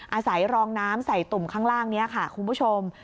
อาศัยรองน้ำใส่ตุ่มข้างล่างนี้ค่ะคุณผู้ชม